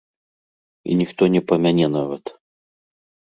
І ніхто не памяне нават.